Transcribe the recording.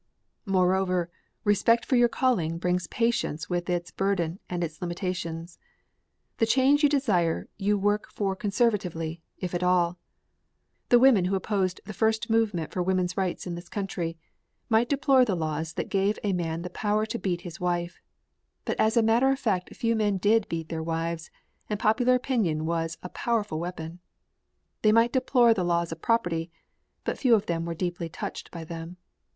Moreover, respect for your calling brings patience with its burden and its limitations. The change you desire you work for conservatively, if at all. The women who opposed the first movement for women's rights in this country might deplore the laws that gave a man the power to beat his wife but as a matter of fact few men did beat their wives, and popular opinion was a powerful weapon. They might deplore the laws of property but few of them were deeply touched by them.